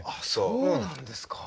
そうなんですか。